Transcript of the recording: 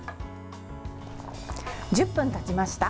１０分たちました。